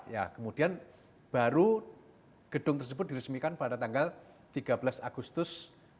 seribu sembilan ratus tujuh puluh empat ya kemudian baru gedung tersebut diresmikan pada tanggal tiga belas agustus seribu sembilan ratus tujuh puluh lima